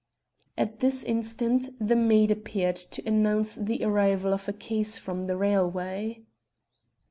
At this instant the maid appeared to announce the arrival of a case from the railway.